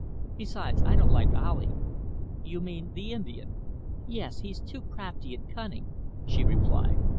Besides, I don't like Ali." "You mean the Indian?" "Yes. He's too crafty and cunning," she replied.